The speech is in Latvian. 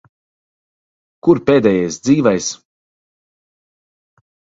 Kur pēdējais dzīvais?